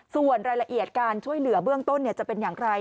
ส่วนรายละเอียดการช่วยเหลือเบื้องต้นจะเป็นอย่างไร